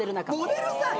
モデルさん？